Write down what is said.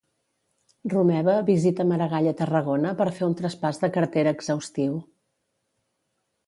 Romeva visita Maragall a Tarragona per fer un traspàs de cartera exhaustiu.